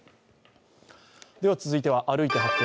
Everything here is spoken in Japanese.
では続いては、「歩いて発見！